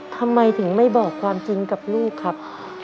ทำไมถึงไม่บอกความจริงกับลูกครับ